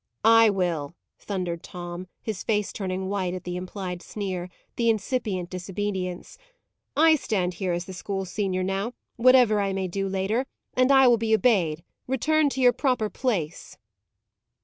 "I will," thundered Tom, his face turning white at the implied sneer, the incipient disobedience. "I stand here as the school's senior now, whatever I may do later, and I will be obeyed. Return to your proper place."